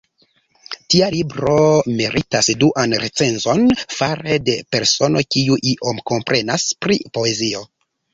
Tia libro meritas duan recenzon fare de persono kiu iom komprenas pri poezio!